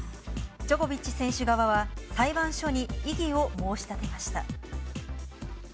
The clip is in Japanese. ジョコビッチ選手側は、裁判所に異議を申し立てました。